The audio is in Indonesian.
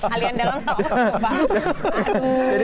alien dalam tau